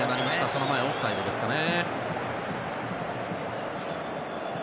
その前、オフサイドですかね。